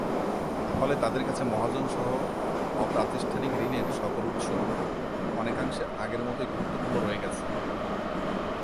ফলে তাদের কাছে মহাজনসহ অপ্রাতিষ্ঠানিক ঋণের সকল উৎস অনেকাংশে আগের মতোই গুরুত্বপূর্ণ রয়ে গেছে।